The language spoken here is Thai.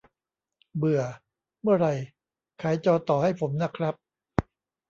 เบื่อ เมื่อไหร่ ขายจอต่อให้ผมนะครับ